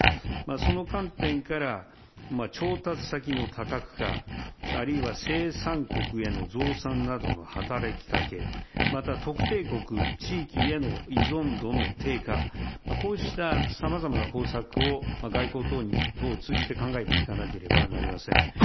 その観点から、調達先の多角化、あるいは生産国への増産などの働きかけ、また特定国、地域への依存度の低下、こうしたさまざまな方策を外交等を通じて考えていかなければなりません。